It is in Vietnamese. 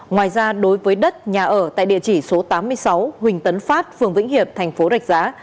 ngoài ra đối với đất nhà ở tại địa chỉ số tám mươi sáu huỳnh tấn phát phường vĩnh hiệp thành phố rạch giá